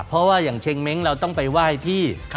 เพราะว่าอย่างเชงเม้งเราต้องไปไหว้ที่